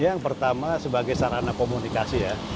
yang pertama sebagai sarana komunikasi ya